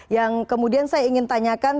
yang kemudian saya ingin tanyakan